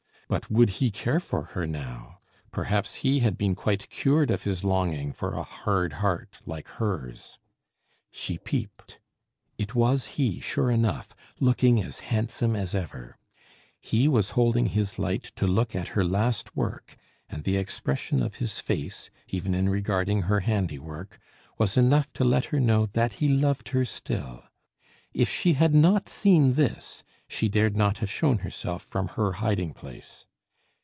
But would he care for her now? Perhaps he had been quite cured of his longing for a hard heart like hers. She peeped. It was he sure enough, looking as handsome as ever. He was holding his light to look at her last work, and the expression of his face, even in regarding her handiwork, was enough to let her know that he loved her still. If she had not seen this, she dared not have shown herself from her hiding place.